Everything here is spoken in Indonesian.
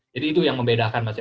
jadi itu yang membedakan mas